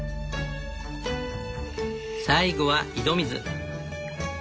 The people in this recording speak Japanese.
最後は井戸水。